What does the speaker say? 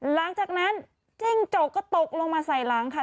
หลังจากนั้นจิ้งจกก็ตกลงมาใส่หลังค่ะ